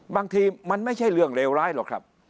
บางทีมันไม่ใช่เรื่องเลวร้ายหรอกครับ